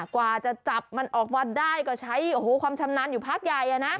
กว่าจะจับมันออกมาได้ก็ใช้ความชำนาญอยู่พักใหญ่